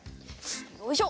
よいしょ。